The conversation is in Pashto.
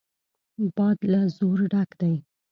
باد له زور ډک دی.